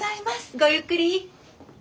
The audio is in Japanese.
ごゆっくり。